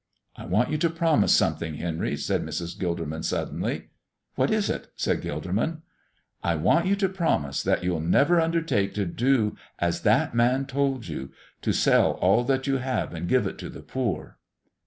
"I want you to promise something, Henry," said Mrs. Gilderman, suddenly. "What is it?" said Gilderman. "I want you to promise that you'll never undertake to do as that Man told you to sell all that you have and give it to the poor."